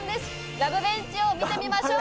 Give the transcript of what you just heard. ラブベンチを見てみましょう